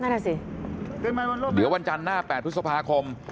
อ่ะสิเดี๋ยววันจันทร์หน้า๘พฤษภาคม